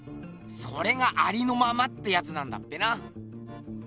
それが「ありのまま」ってやつなんだっぺな。